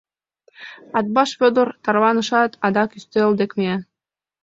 Атбаш Вӧдыр тарванышат, адак ӱстел дек мия.